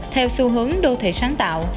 theo xu hướng đô thị sáng tạo